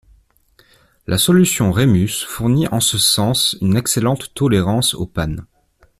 La solution Remus fournit en ce sens une excellente tolérance aux pannes.